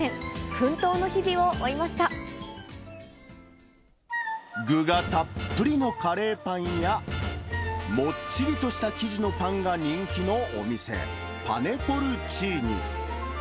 奮闘の日々を追いま具がたっぷりのカレーパンや、もっちりとした生地のパンが人気のお店、パネポルチーニ。